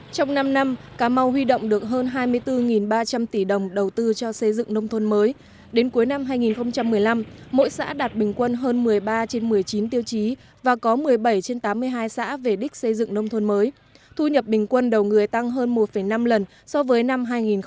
trong năm năm cà mau huy động được hơn hai mươi bốn ba trăm linh tỷ đồng đầu tư cho xây dựng nông thôn mới đến cuối năm hai nghìn một mươi năm mỗi xã đạt bình quân hơn một mươi ba trên một mươi chín tiêu chí và có một mươi bảy trên tám mươi hai xã về đích xây dựng nông thôn mới thu nhập bình quân đầu người tăng hơn một năm lần so với năm hai nghìn một mươi